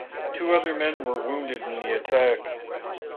Two other men were wounded in the attack.